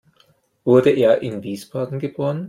Wurde er in Wiesbaden geboren?